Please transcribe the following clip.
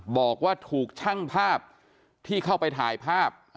บอกว่าถูกช่างภาพที่เข้าไปถ่ายภาพ